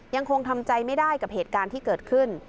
ยังคงทำใจไม่ได้กับเหตุการณ์ที่เกิดขึ้น